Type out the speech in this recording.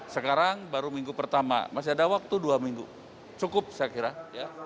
sekarang baru minggu pertama masih ada waktu dua minggu cukup saya kira ya